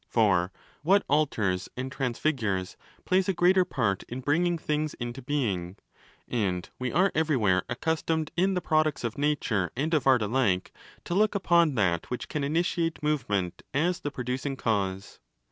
For what 'alters' and transfigures plays a greater part® in bringing things into being; and we are everywhere accustomed, in the products of nature and of art alike, to look upon that which can initiate move ment as the producing cause.